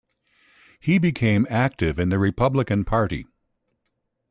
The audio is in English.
He became active in the Republican Party.